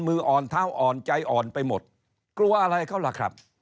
มืออ่อนเท้าอ่อนใจอ่อนไปหมดกลัวอะไรเขาล่ะครับ